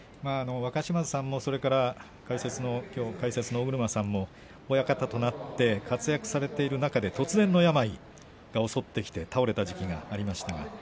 若嶋津さんもそれから解説の尾車さんも親方となって活躍されている中で突然の病が襲ってきて倒れた時期がありました。